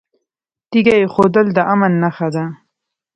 تیږه ایښودل د امن نښه ده